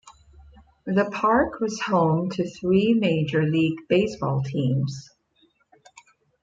The park was home to three major league baseball teams.